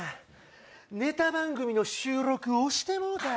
ネタ番組の収録、推してもうた。